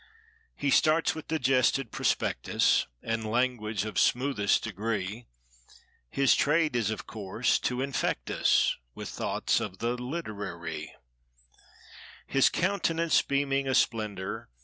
He starts, with digested prospectus. And language of smoothest degree; His trade is, of course, to infect us With thoughts of the litera ree; His countenance beaming a splendor.